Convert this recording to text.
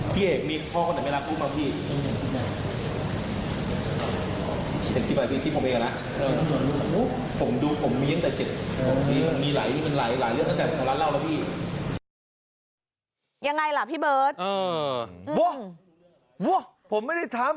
ผมไม่ได้ทราบผมไม่ได้ทราบผมไม่ได้ทราบ